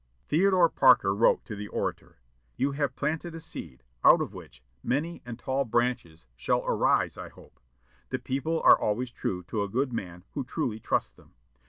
'" Theodore Parker wrote to the orator, "You have planted a seed, 'out of which many and tall branches shall arise,' I hope. _The people are always true to a good man who truly trusts them.